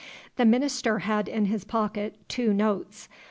The minister had in his pocket two notes.